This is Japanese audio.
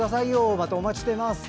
またお待ちしています。